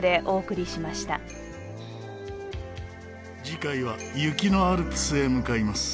次回は雪のアルプスへ向かいます。